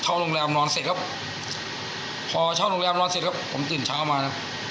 เช่าโรงแรมนอนเสร็จครับพอเช่าโรงแรมนอนเสร็จครับผมตื่นเช้ามานะครับ